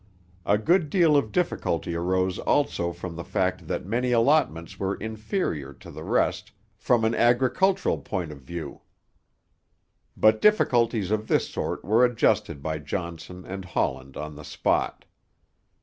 A good deal of difficulty arose also from the fact that many allotments were inferior to the rest from an agricultural point of view; but difficulties of this sort were adjusted by Johnson and Holland on the spot.